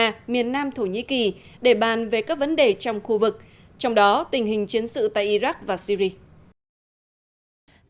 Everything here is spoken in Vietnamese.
họ đã đến nam thổ nhĩ kỳ để bàn về các vấn đề trong khu vực trong đó tình hình chiến sự tại iraq và syria